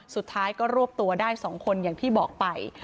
สุดท้ายก็รวบตัวได้๒คนอย่างที่บอกไป